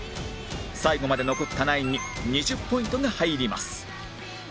最後まで残ったナインに２０ポイントが入ります